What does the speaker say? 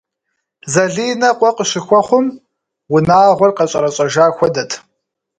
Залинэ къуэ къыщыхуэхъум, унагъуэр къэщӏэрэщӏэжа хуэдэт.